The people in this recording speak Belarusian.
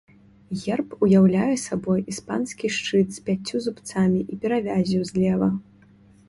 Герб уяўляе сабой іспанскі шчыт з пяццю зубцамі і перавяззю злева.